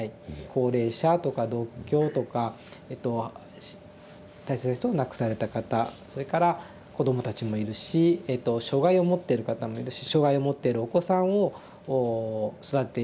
高齢者とか独居とかえと大切な人を亡くされた方それから子供たちもいるし障害を持ってる方もいるし障害を持ってるお子さんを育てていらっしゃる親御さんもいる。